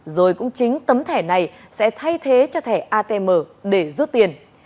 rồi cũng chính tấm thẻ này sẽ thay thế cho thẻ atm để rút tiền